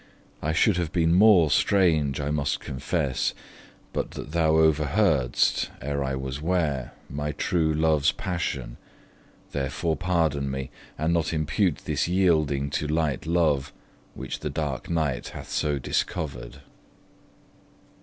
I should have been more strange, I must confess, But that thou over heard'st, ere I was ware, My true love's passion; therefore pardon me, And not impute this yielding to light love, Which the dark night hath so discovered.